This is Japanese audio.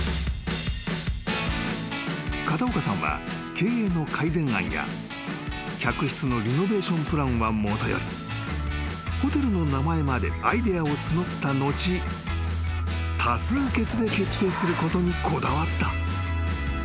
［片岡さんは経営の改善案や客室のリノベーションプランはもとよりホテルの名前までアイデアを募った後多数決で決定することにこだわった］